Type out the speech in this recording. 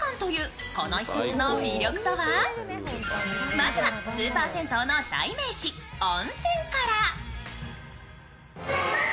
まずはスーパー銭湯の代名詞・温泉から。